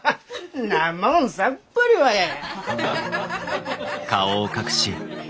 んなもんさっぱりわやや。